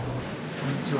こんにちは。